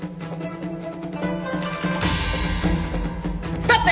ストップ！